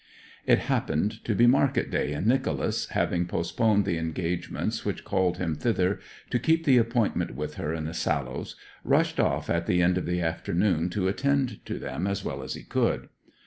It happened to be market day, and Nicholas, having postponed the engagements which called him thither to keep the appointment with her in the Sallows, rushed off at the end of the afternoon to attend to them as well as he could.